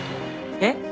えっ？